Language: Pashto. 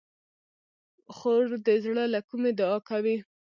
خور د زړه له کومي دعا کوي.